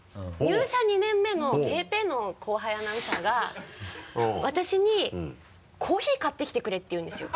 入社２年目のペーペーの後輩アナウンサーが私に「コーヒー買ってきてくれ」て言うんですよ。